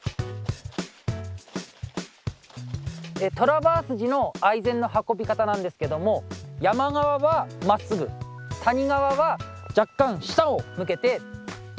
トラバース時のアイゼンの運び方なんですけども山側はまっすぐ谷側は若干下を向けて運びます。